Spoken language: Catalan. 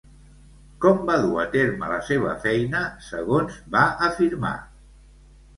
Com va dur a terme la seva feina, segons va afirmar?